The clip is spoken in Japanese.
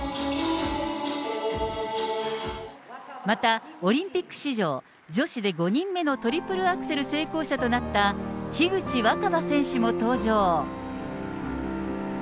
また、オリンピック史上女子で５人目のトリプルアクセル成功者となった樋口新葉選手も登場。